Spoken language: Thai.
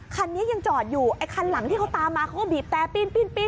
คันนี้ยังจอดอยู่ไอ้คันหลังที่เขาตามมาเขาก็บีบแต่ปีน